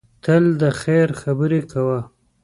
تل د خیر خبرې کوه.